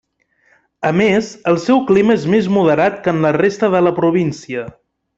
A més, el seu clima és més moderat que en la resta de la província.